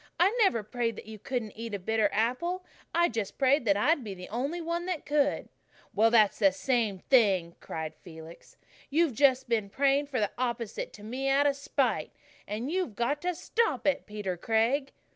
I never prayed that you couldn't eat a bitter apple. I just prayed that I'd be the only one that could." "Well, that's the same thing," cried Felix. "You've just been praying for the opposite to me out of spite. And you've got to stop it, Peter Craig."